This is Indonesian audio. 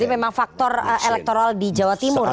jadi memang faktor elektoral di jawa timur ya